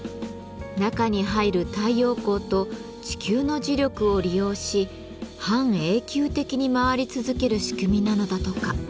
中に入る太陽光と地球の磁力を利用し半永久的に回り続ける仕組みなのだとか。